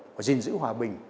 và gìn giữ hòa bình